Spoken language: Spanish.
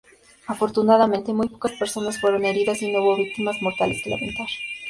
Afortunadamente, muy pocas personas fueron heridas y no hubo víctimas mortales que lamentar.